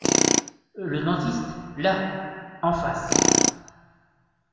Le dentiste ?… là !… en face !…